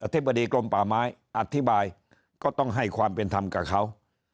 ธิบดีกรมป่าไม้อธิบายก็ต้องให้ความเป็นธรรมกับเขา